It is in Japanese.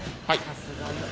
はい。